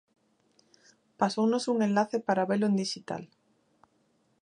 Pasounos un enlace para velo en dixital.